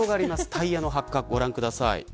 タイヤの発火ご覧ください。